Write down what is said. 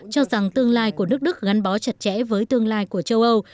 cho rằng tương lai của nước đức gắn bó chặt chẽ với tương lai của châu âu